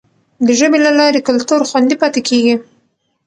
د ژبي له لارې کلتور خوندي پاتې کیږي.